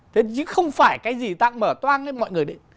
thế chứ không phải cái gì ta mở toan lên mọi người đấy